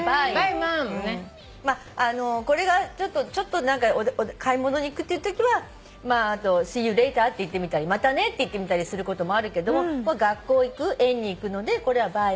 これがちょっと買い物に行くっていうときは「Ｓｅｅｙｏｕｌａｔｅｒ」って言ってみたり「またね」って言ってみたりすることもあるけど学校行く園に行くのでこれは「ＢｙｅＭｏｍ」っていう感じかな。